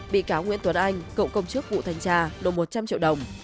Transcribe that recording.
bị cáo nguyễn tuấn anh cậu công chức vụ thanh tra nộp một trăm linh triệu đồng